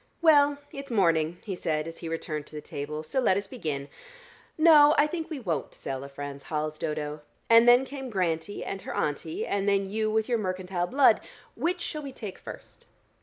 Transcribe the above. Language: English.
"Well, it's morning," he said as he returned to the table, "so let us begin. No: I think we won't sell a Franz Hals, Dodo. And then came Grantie and her auntie, and then you with your mercantile blood. Which shall we take first?"